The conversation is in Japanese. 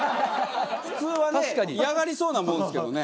普通はね嫌がりそうなもんですけどね。